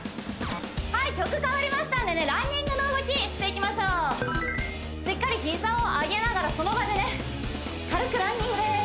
はい曲変わりましたんでランニングの動きしていきましょうしっかり膝を上げながらその場で軽くランニングです